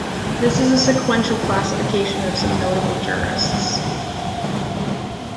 This is a sequential classification of some notable jurists.